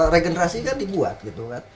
regenerasi kan dibuat